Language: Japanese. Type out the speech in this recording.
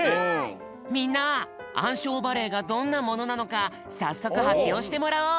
みんなあんしょうバレエがどんなものなのかさっそくはっぴょうしてもらおう！